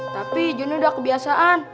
tapi jonny udah kebiasaan